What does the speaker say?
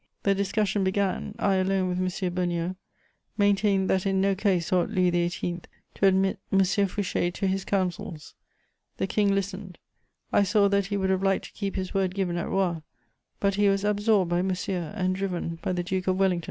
The discussion began: I, alone with M. Beugnot, maintained that in no case ought Louis XVIII. to admit M. Fouché to his counsels. The King listened: I saw that he would have liked to keep his word given at Roye; but he was absorbed by Monsieur and driven by the Duke of Wellington.